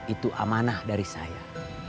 itu amanah dari saya